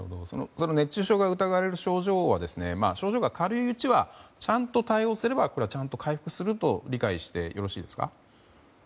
熱中症が疑われる症状は症状が軽いうちはちゃんと対応すればちゃんと回復すると理解してよろしいですか？